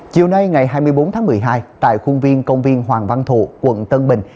chiều nay ngày hai mươi bốn tháng một mươi hai tại khuôn viên công viên hoàng văn thụ quận tân bình